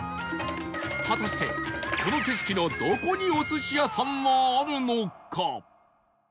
果たしてこの景色のどこにお寿司屋さんはあるのか？